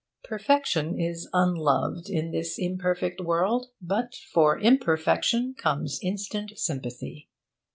Perfection is unloved in this imperfect world, but for imperfection comes instant sympathy.